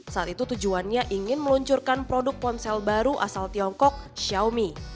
saat itu tujuannya ingin meluncurkan produk ponsel baru asal tiongkok xiaomi